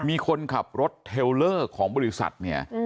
มีคนขับรถเทลเลอร์ของบริษัทเนี่ย